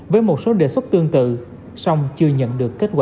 với một số đề xuất tương tự song chưa nhận được kết quả